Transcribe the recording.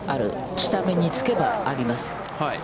下めにつけばあります。